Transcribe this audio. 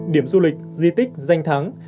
điểm du lịch di tích danh thắng